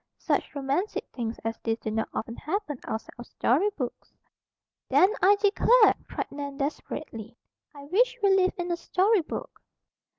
"Such romantic things as this do not often happen outside of story books." "Then, I declare!" cried Nan desperately, "I wish we lived in a story book!"